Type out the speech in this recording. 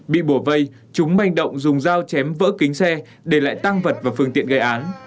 bị bổ vây chúng manh động dùng dao chém vỡ kính xe để lại tăng vật và phương tiện gây án